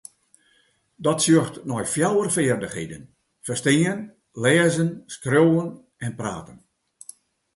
Dat sjocht nei fjouwer feardichheden: ferstean, lêzen, skriuwen en praten.